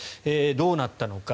どうなったのか。